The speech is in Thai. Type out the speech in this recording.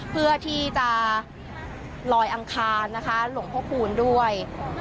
เพื่อที่จะลอยอังคารนะคะหลวงพ่อคูณด้วย